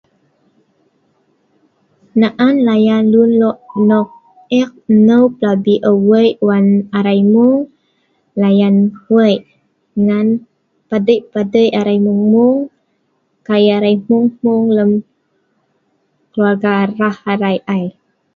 Layan Wei, arai mung mung, lem keluarga, PADEI PADEI arai mung mung lem keluarga rah arai